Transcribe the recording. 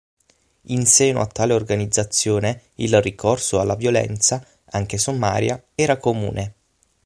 In seno a tale organizzazione il ricorso alla violenza, anche sommaria, era comune.